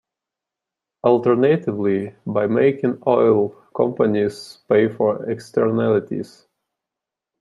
Alternatively, by making oil companies pay for externalities.